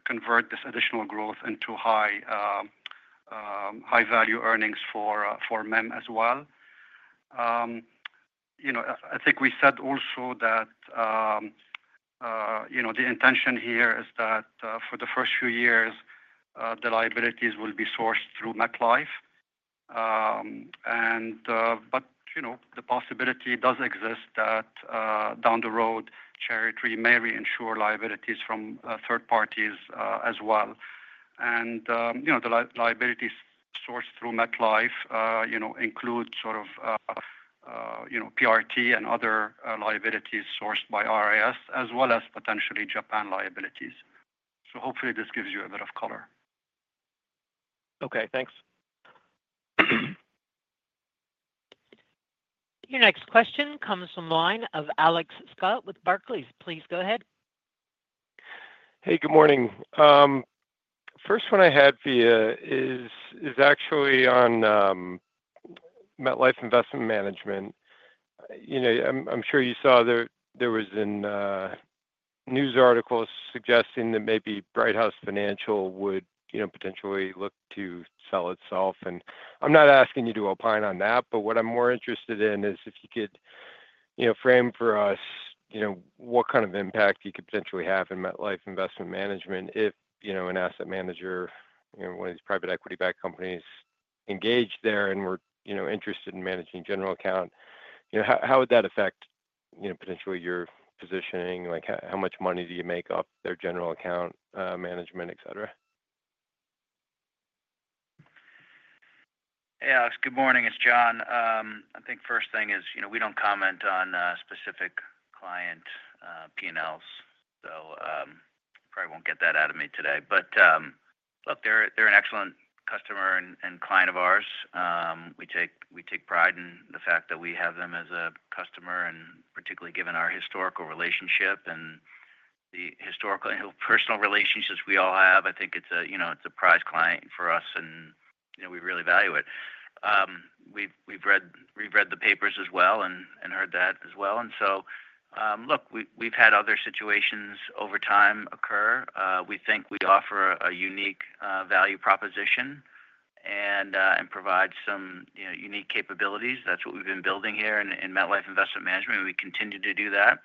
convert this additional growth into high-value earnings for MIM as well. I think we said also that the intention here is that for the first few years, the liabilities will be sourced through MetLife. But the possibility does exist that down the road, Chariot Re may reinsure liabilities from third parties as well. And the liabilities sourced through MetLife include sort of PRT and other liabilities sourced by RIS, as well as potentially Japan liabilities. So hopefully, this gives you a bit of color. Okay. Thanks. Your next question comes from the line of Alex Scott with Barclays. Please go ahead. Hey, good morning. First one I had for you is actually on MetLife Investment Management. I'm sure you saw there was a news article suggesting that maybe Brighthouse Financial would potentially look to sell itself. And I'm not asking you to opine on that, but what I'm more interested in is if you could frame for us what kind of impact you could potentially have in MetLife Investment Management if an asset manager, one of these private equity-backed companies, engaged there and were interested in managing General Account. How would that affect potentially your positioning? How much money do you make off their General Account management, etc.? Hey, Alex. Good morning. It's John. I think first thing is we don't comment on specific client P&Ls. So you probably won't get that out of me today. But look, they're an excellent customer and client of ours. We take pride in the fact that we have them as a customer, and particularly given our historical relationship and the historical and personal relationships we all have. I think it's a prized client for us, and we really value it. We've read the papers as well and heard that as well. And so look, we've had other situations over time occur. We think we offer a unique value proposition and provide some unique capabilities. That's what we've been building here in MetLife Investment Management, and we continue to do that.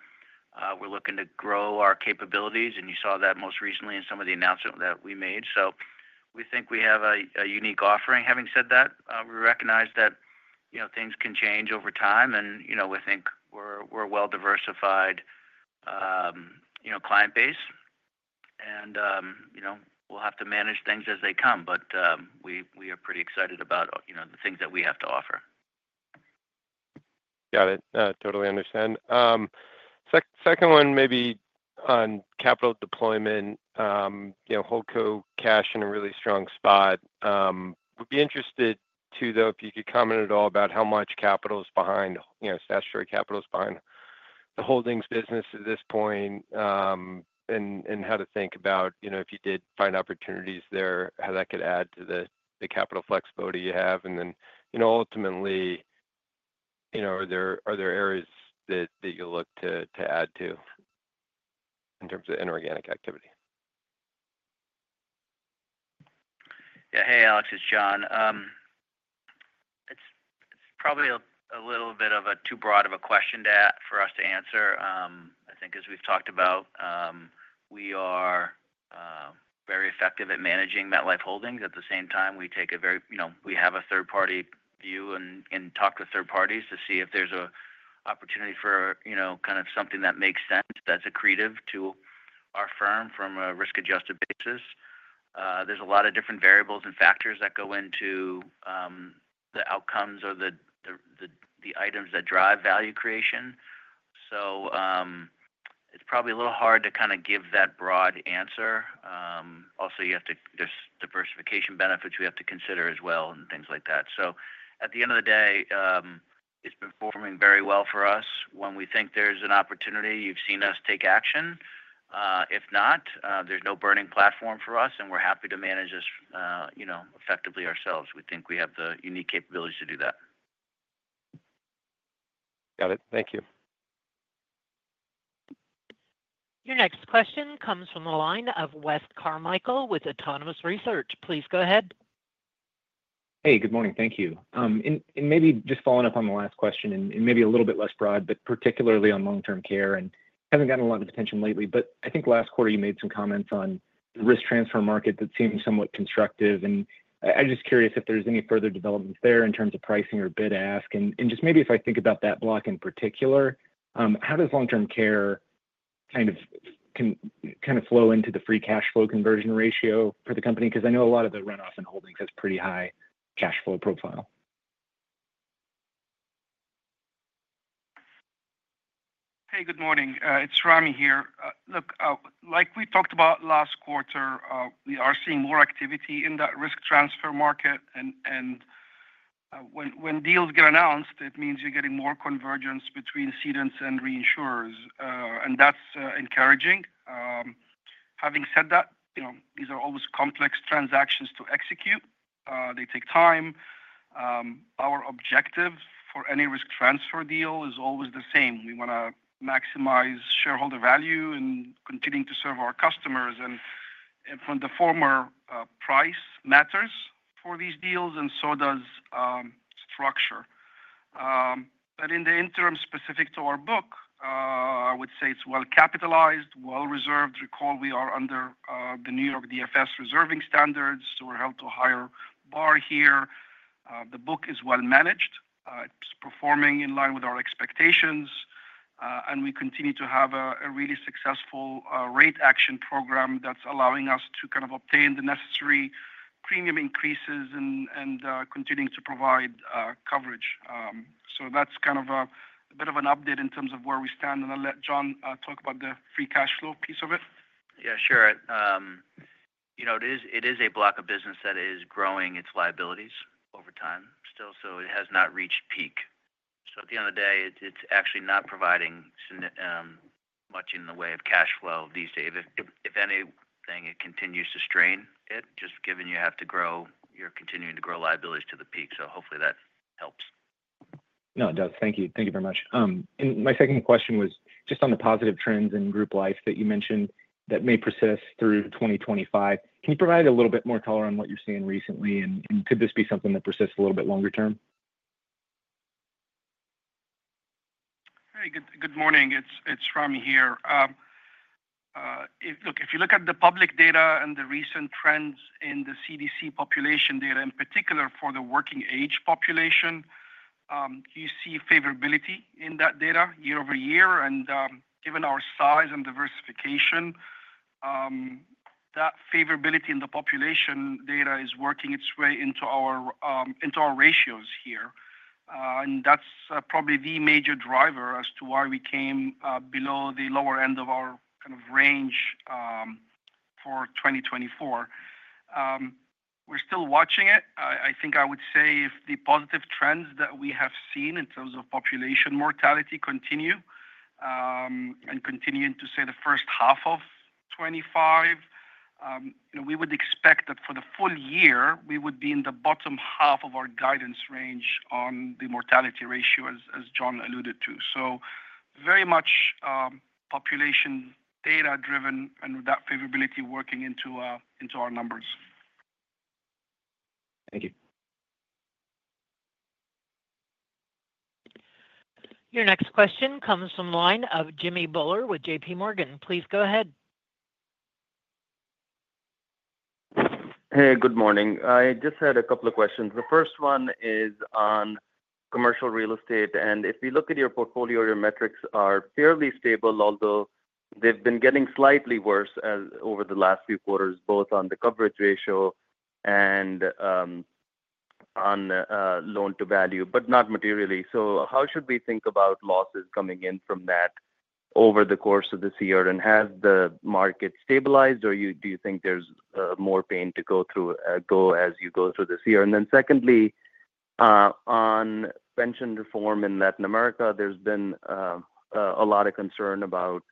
We're looking to grow our capabilities, and you saw that most recently in some of the announcements that we made. So we think we have a unique offering. Having said that, we recognize that things can change over time, and we think we're a well-diversified client base. And we'll have to manage things as they come, but we are pretty excited about the things that we have to offer. Got it. Totally understand. Second one, maybe on capital deployment, HoldCo cash in a really strong spot. Would be interested too, though, if you could comment at all about how much capital is behind, statutory capital is behind the holdings business at this point, and how to think about if you did find opportunities there, how that could add to the capital flexibility you have. And then ultimately, are there areas that you'll look to add to in terms of inorganic activity? Yeah. Hey, Alex. It's John. It's probably a little bit of a too broad of a question for us to answer. I think as we've talked about, we are very effective at managing MetLife Holdings. At the same time, we have a third-party view and talk to third parties to see if there's an opportunity for kind of something that makes sense that's accretive to our firm from a risk-adjusted basis. There's a lot of different variables and factors that go into the outcomes or the items that drive value creation. So it's probably a little hard to kind of give that broad answer. Also, there's diversification benefits we have to consider as well and things like that. So at the end of the day, it's been performing very well for us. When we think there's an opportunity, you've seen us take action. If not, there's no burning platform for us, and we're happy to manage this effectively ourselves. We think we have the unique capabilities to do that. Got it. Thank you. Your next question comes from the line of Wes Carmichael with Autonomous Research. Please go ahead. Hey, good morning. Thank you. Maybe just following up on the last question and maybe a little bit less broad, but particularly on long-term care, and haven't gotten a lot of attention lately. I think last quarter, you made some comments on the risk transfer market that seemed somewhat constructive. I'm just curious if there's any further developments there in terms of pricing or bid-ask. Just maybe if I think about that block in particular, how does long-term care kind of flow into the free cash flow conversion ratio for the company? Because I know a lot of the runoff in Holdings has pretty high cash flow profile. Hey, good morning. It's Ramy here. Look, like we talked about last quarter, we are seeing more activity in that risk transfer market. When deals get announced, it means you're getting more convergence between cedents and reinsurers. That's encouraging. Having said that, these are always complex transactions to execute. They take time. Our objective for any risk transfer deal is always the same. We want to maximize shareholder value and continue to serve our customers, and from the former, price matters for these deals, and so does structure, but in the interim specific to our book, I would say it's well-capitalized, well-reserved. Recall, we are under the New York DFS reserving standards, so we're held to a higher bar here. The book is well-managed. It's performing in line with our expectations, and we continue to have a really successful rate action program that's allowing us to kind of obtain the necessary premium increases and continuing to provide coverage, so that's kind of a bit of an update in terms of where we stand, and I'll let John talk about the free cash flow piece of it. Yeah, sure. It is a block of business that is growing its liabilities over time still, so it has not reached peak. So at the end of the day, it's actually not providing much in the way of cash flow these days. If anything, it continues to strain it, just given you have to grow your continuing to grow liabilities to the peak. So hopefully, that helps. No, it does. Thank you. Thank you very much. And my second question was just on the positive trends in Group Life that you mentioned that may persist through 2025. Can you provide a little bit more color on what you're seeing recently, and could this be something that persists a little bit longer term? Hey, good morning. It's Ramy here. Look, if you look at the public data and the recent trends in the CDC population data, in particular for the working-age population, you see favorability in that data year-over-year, and given our size and diversification, that favorability in the population data is working its way into our ratios here, and that's probably the major driver as to why we came below the lower end of our kind of range for 2024. We're still watching it. I think I would say if the positive trends that we have seen in terms of population mortality continue and continue into say the first half of 2025, we would expect that for the full year, we would be in the bottom half of our guidance range on the mortality ratio, as John alluded to, so very much population data-driven and that favorability working into our numbers. Thank you. Your next question comes from the line of Jimmy Bhullar with JPMorgan. Please go ahead. Hey, good morning. I just had a couple of questions. The first one is on commercial real estate, and if we look at your portfolio, your metrics are fairly stable, although they've been getting slightly worse over the last few quarters, both on the coverage ratio and on loan-to-value, but not materially. So how should we think about losses coming in from that over the course of this year? And has the market stabilized, or do you think there's more pain to go through as you go through this year? And then secondly, on pension reform in Latin America, there's been a lot of concern about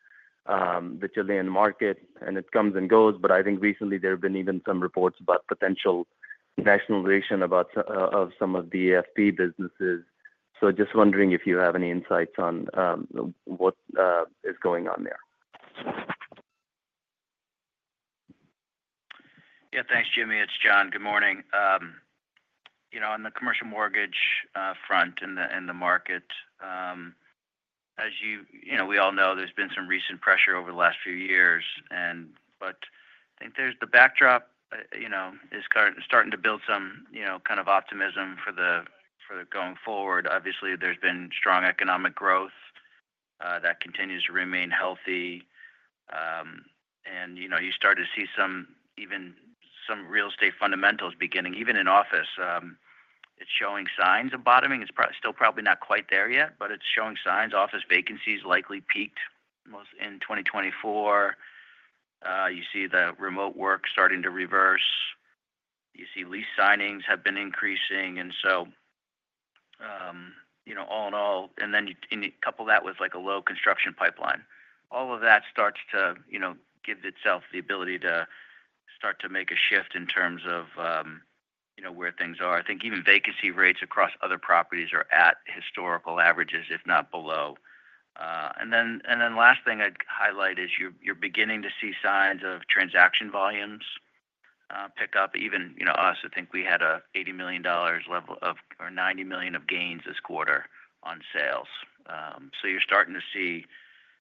the Chilean market, and it comes and goes, but I think recently, there have been even some reports about potential nationalization of some of the AFP businesses. So just wondering if you have any insights on what is going on there. Jimmy. It's John. Good morning. On the commercial mortgage front in the market, as we all know, there's been some recent pressure over the last few years, but I think the backdrop is starting to build some kind of optimism for the going forward. Obviously, there's been strong economic growth that continues to remain healthy, and you started to see even some real estate fundamentals beginning. Even in office, it's showing signs of bottoming. It's still probably not quite there yet, but it's showing signs. Office vacancies likely peaked in 2024. You see the remote work starting to reverse. You see lease signings have been increasing, and so all in all, and then you couple that with a low construction pipeline. All of that starts to give itself the ability to start to make a shift in terms of where things are. I think even vacancy rates across other properties are at historical averages, if not below. And then last thing I'd highlight is you're beginning to see signs of transaction volumes pick up. Even us, I think we had an $80 million level of or $90 million of gains this quarter on sales. So you're starting to see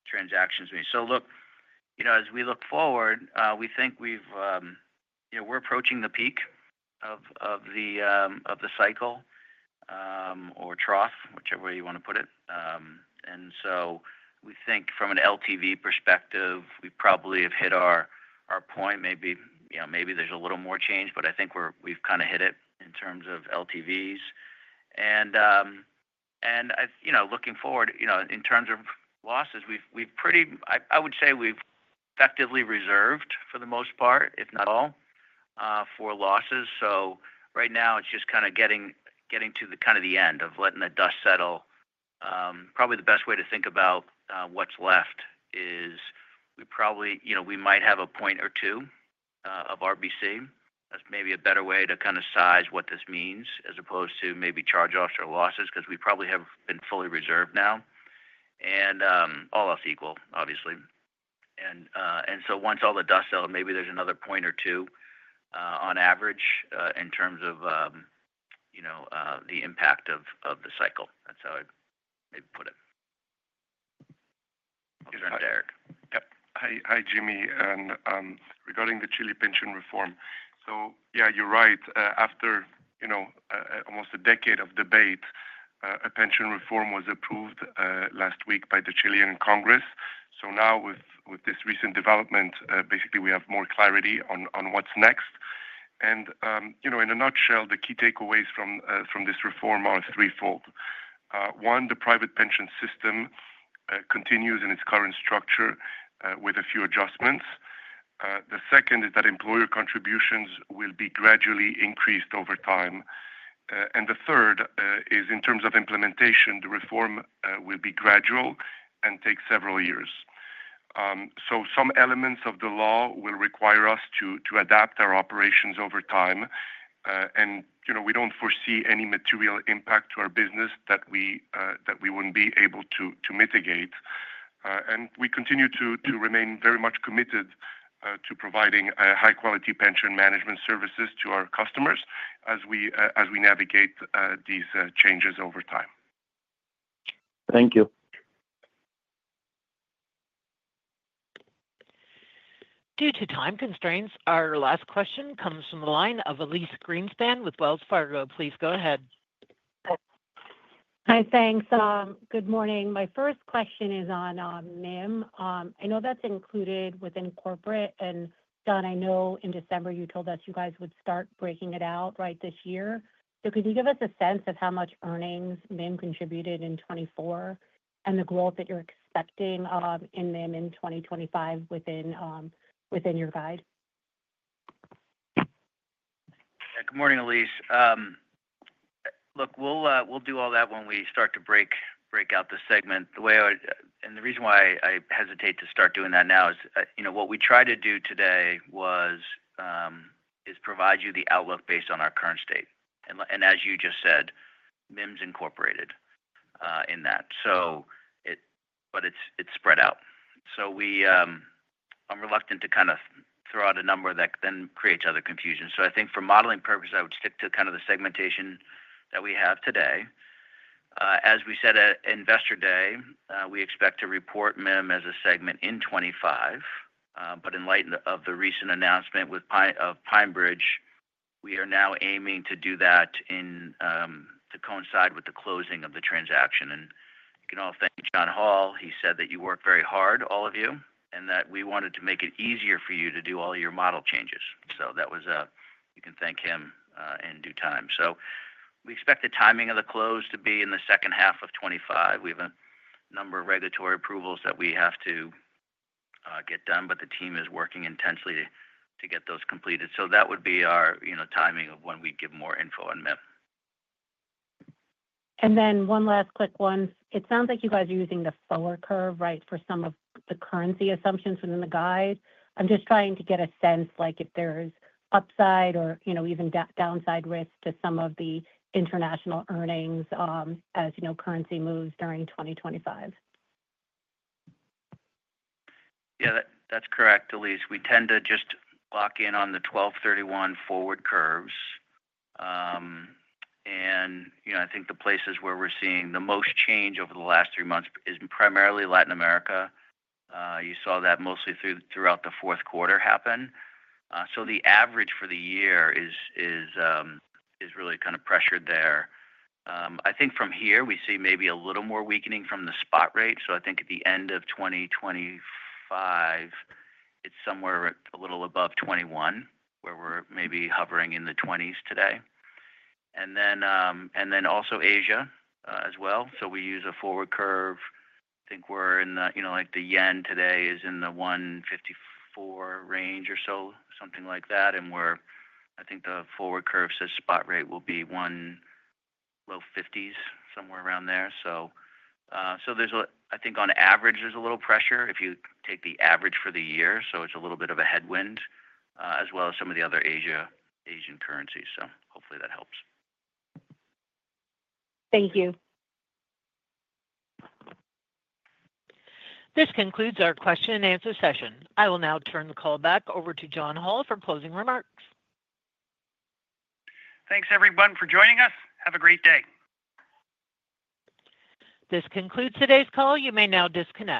transactions moving. So look, as we look forward, we think we're approaching the peak of the cycle or trough, whichever way you want to put it. And so we think from an LTV perspective, we probably have hit our point. Maybe there's a little more change, but I think we've kind of hit it in terms of LTVs. Looking forward, in terms of losses, I would say we've effectively reserved for the most part, if not all, for losses. So right now, it's just kind of getting to the kind of the end of letting the dust settle. Probably the best way to think about what's left is we might have a point or two of RBC. That's maybe a better way to kind of size what this means as opposed to maybe charge-offs or losses because we probably have been fully reserved now. And all else equal, obviously. And so once all the dust settles, maybe there's another point or two on average in terms of the impact of the cycle. That's how I'd maybe put it. Thanks, John. Hi, Jimmy. And regarding the Chile pension reform, so yeah, you're right. After almost a decade of debate, a pension reform was approved last week by the Chilean Congress. So now, with this recent development, basically, we have more clarity on what's next. And in a nutshell, the key takeaways from this reform are threefold. One, the private pension system continues in its current structure with a few adjustments. The second is that employer contributions will be gradually increased over time. And the third is, in terms of implementation, the reform will be gradual and take several years. So some elements of the law will require us to adapt our operations over time. And we don't foresee any material impact to our business that we wouldn't be able to mitigate. And we continue to remain very much committed to providing high-quality pension management services to our customers as we navigate these changes over time. Thank you. Due to time constraints, our last question comes from the line of Elyse Greenspan with Wells Fargo. Please go ahead. Hi, thanks. Good morning. My first question is on MIM. I know that's included within corporate. And John, I know in December, you told us you guys would start breaking it out right this year. So could you give us a sense of how much earnings MIM contributed in 2024 and the growth that you're expecting in MIM in 2025 within your guide? Good morning, Elyse. Look, we'll do all that when we start to break out the segment. And the reason why I hesitate to start doing that now is what we tried to do today was provide you the outlook based on our current state. And as you just said, MIM's incorporated in that, but it's spread out. So I'm reluctant to kind of throw out a number that then creates other confusion. So I think for modeling purposes, I would stick to kind of the segmentation that we have today. As we said at Investor Day, we expect to report MIM as a segment in 2025. But in light of the recent announcement of PineBridge, we are now aiming to do that to coincide with the closing of the transaction. And you can all thank John Hall. He said that you worked very hard, all of you, and that we wanted to make it easier for you to do all your model changes. So you can thank him in due time. So we expect the timing of the close to be in the second half of 2025. We have a number of regulatory approvals that we have to get done, but the team is working intensely to get those completed. So that would be our timing of when we give more info on MIM. And then one last quick one. It sounds like you guys are using the forward curve, right, for some of the currency assumptions within the guide. I'm just trying to get a sense if there's upside or even downside risk to some of the international earnings as currency moves during 2025. Yeah, that's correct, Elyse. We tend to just lock in on the December 31 forward curves. And I think the places where we're seeing the most change over the last three months is primarily Latin America. You saw that mostly throughout the fourth quarter happen. So the average for the year is really kind of pressured there. I think from here, we see maybe a little more weakening from the spot rate. So I think at the end of 2025, it's somewhere a little above 21, where we're maybe hovering in the 20s today. And then also Asia as well. So we use a forward curve. I think the yen today is in the 154 range or so, something like that. And I think the forward curve says spot rate will be low 150s, somewhere around there. So I think on average, there's a little pressure if you take the average for the year. So it's a little bit of a headwind as well as some of the other Asian currencies. So hopefully, that helps. Thank you. This concludes our question-and-answer session. I will now turn the call back over to John Hall for closing remarks. Thanks, everyone, for joining us. Have a great day. This concludes today's call. You may now disconnect.